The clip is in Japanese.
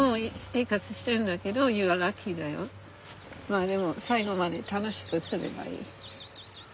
まあでも最後まで楽しくすればいい。